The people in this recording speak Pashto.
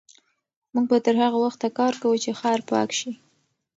موږ به تر هغه وخته کار کوو چې ښار پاک شي.